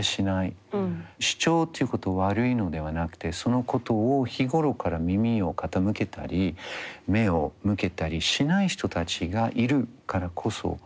主張っていうこと悪いのではなくてそのことを日頃から耳を傾けたり目を向けたりしない人たちがいるからこそっていうふうに思うんですね。